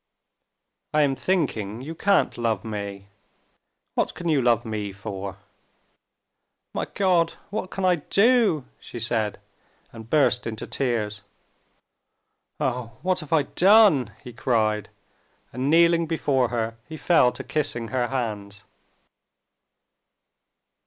"I am thinking you can't love me. What can you love me for?" "My God! what can I do?..." she said, and burst into tears. "Oh! what have I done?" he cried, and kneeling before her, he fell to kissing her hands.